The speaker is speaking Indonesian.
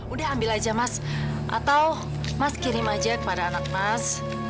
udah ambil aja mas atau mas kirim aja kepada anak mas